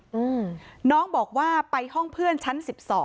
น้องพิงกี้บอกว่าไปห้องเพื่อนชั้น๑๒